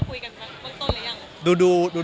คุยกันเบื้องต้นหรือยัง